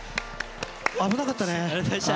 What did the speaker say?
危なかった！